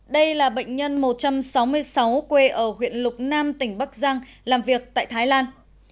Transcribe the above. đây là bệnh nhân một trăm sáu mươi sáu quê ở huyện lục nam tỉnh bắc giang làm việc tại thái lan